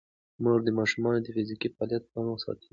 مور د ماشومانو د فزیکي فعالیت پام ساتي.